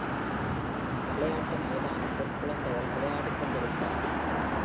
விளையாட்டு மைதானத்தில் குழந்தைகள் விளையாடிக் கொண்டிருக்கிறார்கள்.